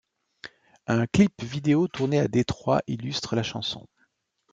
Un clip vidéo tourné à Détroit illustre la chanson.